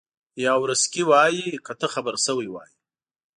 یاورسکي وایي که ته خبر شوی وای.